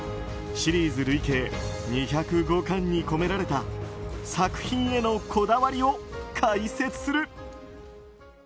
シリーズ累計２０５巻に込められた作品へのこだわりを解説する。